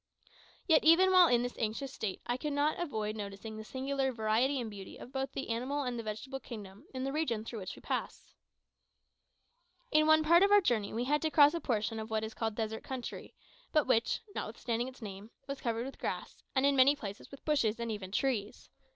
Yet, even while in this anxious state, I could not avoid noticing the singular variety and beauty of both the animal and the vegetable kingdom in the regions through which we passed. In one part of our journey we had to cross a portion of what is called desert country, but which, notwithstanding its name, was covered with grass, and in many places with bushes, and even trees.